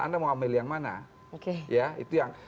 anda mau ambil yang mana